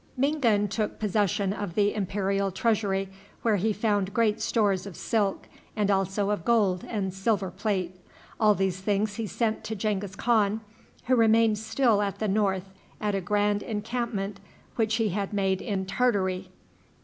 Mingan took possession of the imperial treasury, where he found great stores of silk, and also of gold and silver plate. All these things he sent to Genghis Khan, who remained still at the north at a grand encampment which he had made in Tartary.